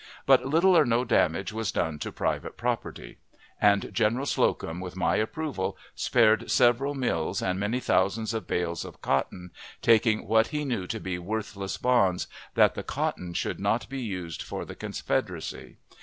But little or no damage was done to private property, and General Slocum, with my approval, spared several mills, and many thousands of bales of cotton, taking what he knew to be worthless bonds, that the cotton should not be used for the Confederacy.